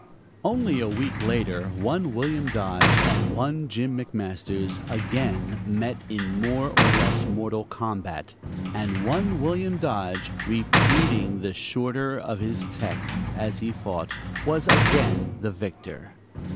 Only a week later one William Dodge and one Jim McMasters again met in more or less mortal combat, and one William Dodge, repeating the shorter of his texts as he fought, was again the victor.